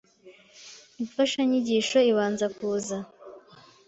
Imfashanyigisho ibanza kuza